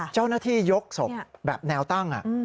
เจ้าหน้าที่ยกศพแบบแนวตั้ง